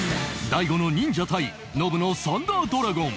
大悟のニンジャ対ノブのサンダードラゴン